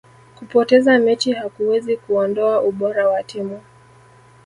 kupoteza mechi hakuwezi kuondoa ubora wa timu